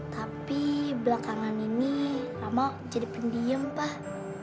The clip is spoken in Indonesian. tapi belakangan ini rama jadi pendiem pak